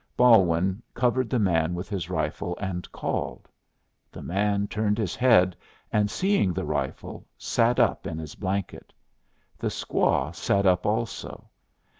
Balwin covered the man with his rifle and called. The man turned his head, and seeing the rifle, sat up in his blanket. The squaw sat up also.